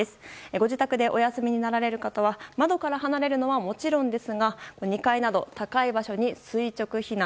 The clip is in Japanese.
ご自宅でお休みになられる方は窓から離れるのはもちろんですが２階など高い場所に垂直避難。